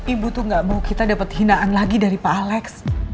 ibu tuh gak mau kita dapat hinaan lagi dari pak alex